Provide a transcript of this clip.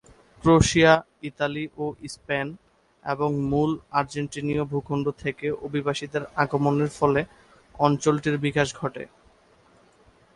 Croatia, ইতালি ও Spain এবং মূল আর্জেন্টিনীয় ভূখণ্ড থেকে অভিবাসীদের আগমনের ফলে অঞ্চলটির বিকাশ ঘটে।